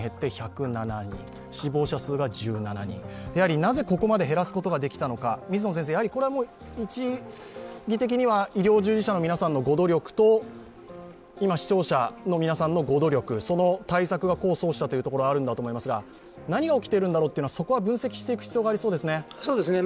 なぜここまで減らすことができたのか、一義的には医療従事者の皆さんのご努力と視聴者の皆さんのご努力、その対策が功を奏したというところがあるかと思うんですが何が起きているんだろうというのは分析していく必要がありそうですね。